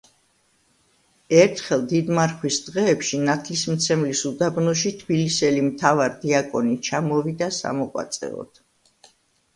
ერთხელ, დიდმარხვის დღეებში, ნათლისმცემლის უდაბნოში თბილისელი მთავარდიაკონი ჩამოვიდა სამოღვაწეოდ.